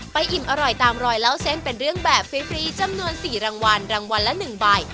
อิ่มอร่อยตามรอยเล่าเส้นเป็นเรื่องแบบฟรีจำนวน๔รางวัลรางวัลละ๑ใบ